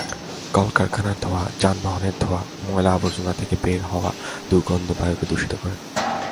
কলকারখানার ধোঁয়া, যানবাহনের ধোঁয়া, ময়লা-আবর্জনা থেকে বের হওয়া দুর্গন্ধ বায়ুকে দূষিত করে।